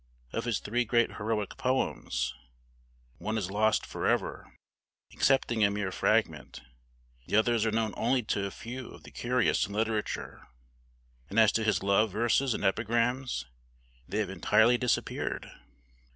Of his three great heroic poems, one is lost forever, excepting a mere fragment; the others are known only to a few of the curious in literature; and as to his love verses and epigrams, they have entirely disappeared.